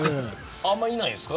あんまりいないですか。